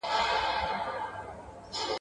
هره ورځ یې له دباغ سره دعوه وه ..